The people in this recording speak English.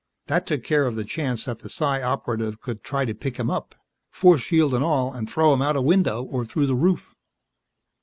That took care of the chance that the Psi Operative would try to pick him up, force shield and all, and throw him out a window or through the roof.